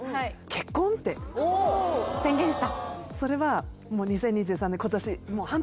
結婚！っておお宣言した？